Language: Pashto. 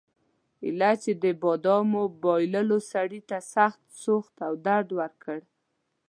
کله چې د بادامو بایللو سړي ته سخت سوخت او درد ورکړ.